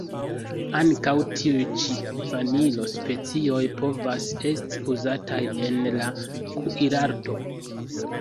Ankaŭ tiuj ĉi Vanilo-specioj povas esti uzataj en la kuirarto.